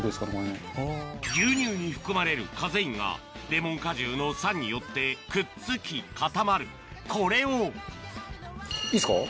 牛乳に含まれるカゼインがレモン果汁の酸によってくっつき固まるこれをいいですか？